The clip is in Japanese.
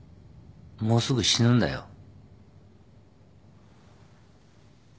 もうすぐ死ぬんだよ。